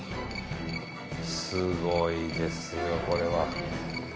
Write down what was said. すごいですよこれは。